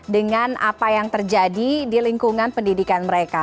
dengan apa yang terjadi di lingkungan pendidikan mereka